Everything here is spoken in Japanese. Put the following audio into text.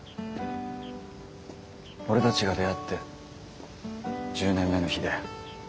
俺たちが出会って１０年目の日だよ。